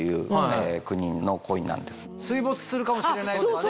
水没するかもしれないとかね。